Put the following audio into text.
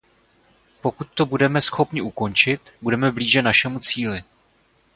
Pokud to budeme schopni ukončit, budeme blíže našemu cíli.